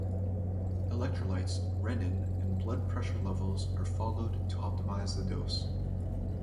Electrolytes, renin, and blood pressure levels are followed to optimize the dose.